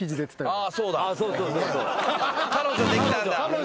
彼女できたんだ。